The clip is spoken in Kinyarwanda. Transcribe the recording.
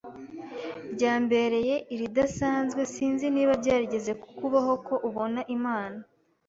ryambereye iridasanzwe sinzi niba byarigeze kukubaho ko ubona Imana